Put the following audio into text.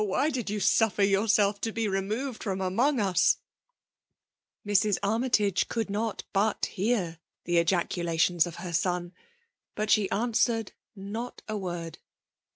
^Why did jou suflSeIr yourself to be removed from among us V Mrs. Armytage could not but hear the ejaculations of her son ; but she answered not a word.